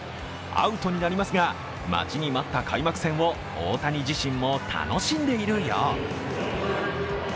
アウトになりますが待ちに待った開幕戦を大谷自身も楽しんでいるよう。